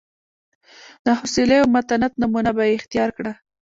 د حوصلې او متانت نمونه به یې اختیار کړه.